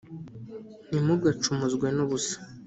Ntimugacumuzwe n’ubusa